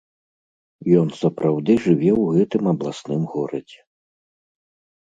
Ён сапраўды жыве ў гэтым абласным горадзе.